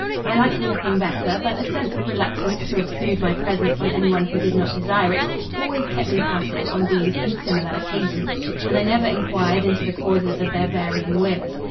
I liked walking better, but a sense of reluctance to obtrude my presence on anyone who did not desire it, always kept me passive on these and similar occasions; and I never inquired into the causes of their varying whims.